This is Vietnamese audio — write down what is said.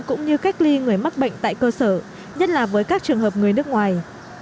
cũng như cách ly người mắc bệnh tại cơ sở nhất là với các trường hợp người nước ngoài